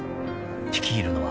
［率いるのは］